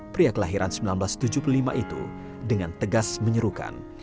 pria kelahiran seribu sembilan ratus tujuh puluh lima itu dengan tegas menyerukan